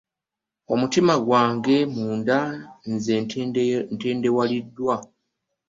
Omutimsgwange munda munze ntendewaliddwa .